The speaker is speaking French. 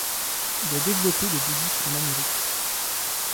Il a développé le bouddhisme en Amérique.